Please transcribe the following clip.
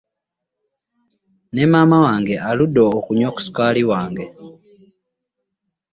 Ne maama wange aludde okunywa ku ssukaali wange.